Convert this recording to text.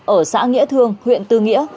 ở xã nghĩa thương huyện tư nghĩa